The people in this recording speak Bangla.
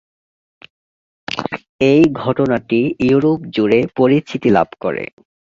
এই ঘটনাটি ইউরোপ জুড়ে পরিচিতি লাভ করে।